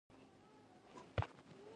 د ماداغاسکر متل وایي غمونه د مینې نښه ده.